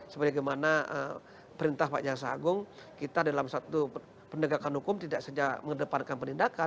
seperti bagaimana perintah pak jasa agung kita dalam satu pendekatan hukum tidak saja mengedepankan pendidikan